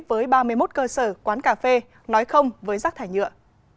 với ba mươi một cơ sở quán cà phê nói không với rác thải nhựa